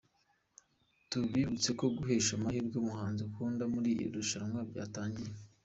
Tubibutse ko guhesha amahirwe umuhanzi ukunda muri iri rushanwa byatangiye.